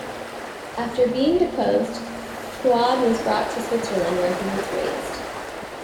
After being deposed, Fuad was brought to Switzerland, where he was raised.